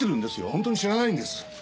本当に知らないんです！